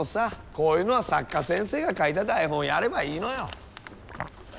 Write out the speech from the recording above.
こういうのは作家先生が書いた台本をやればいいのよ。